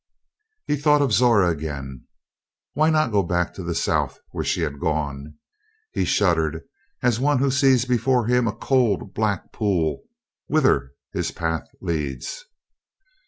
He thought of Zora again. Why not go back to the South where she had gone? He shuddered as one who sees before him a cold black pool whither his path leads.